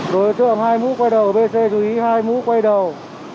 đối với trường hai mũ quay đầu bc chú ý hai mũ quay đầu